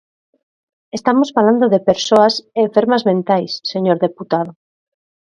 Estamos falando de persoas enfermas mentais, señor deputado.